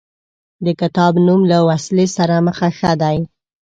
د کتاب نوم له وسلې سره مخه ښه دی.